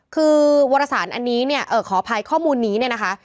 คือวรสารอันนี้เนี่ยขออภัยข้อมูลนี้เนี่ยนะคะ